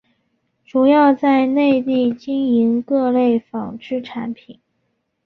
主要在内地经营各类纺织产品。